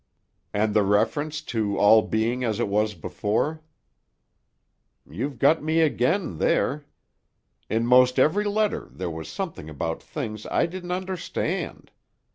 "And the reference to all being as it was before?" "You've got me again, there. In most every letter there was something about things I didn't understand.